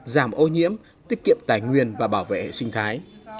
giảm ô nhiễm tiết kiệm tài nguyên và bảo vệ hệ sinh thái